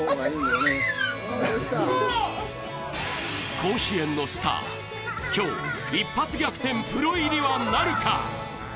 甲子園のスター、今日一発逆転プロ入りはなるか？